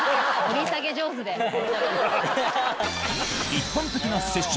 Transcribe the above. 一般的な接触